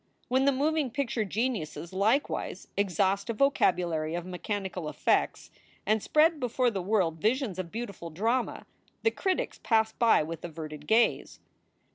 When the moving picture geniuses like wise exhaust a vocabulary of mechanical effects, and spread before the world visions of beautiful drama, the critics pass by with averted gaze.